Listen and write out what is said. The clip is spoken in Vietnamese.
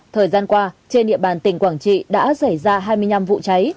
thời gian qua trên địa bàn tỉnh quảng trị đã xảy ra hai mươi năm vụ cháy